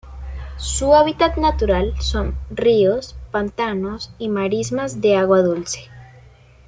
Su hábitat natural son: ríos, pantanos y marismas de agua dulce.